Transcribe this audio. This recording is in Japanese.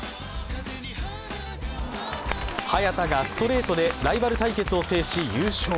早田がストレートでライバル対決を制し優勝。